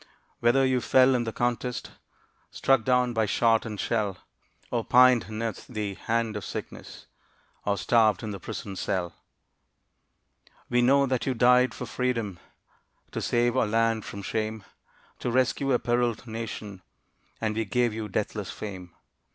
Whether you fell in the contest, Struck down by shot and shell, Or pined 'neath the hand of sickness Or starved in the prison cell, We know that you died for Freedom, To save our land from shame, To rescue a periled Nation, And we give you deathless fame.